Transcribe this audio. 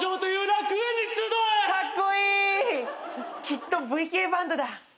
きっとＶ系バンドだ。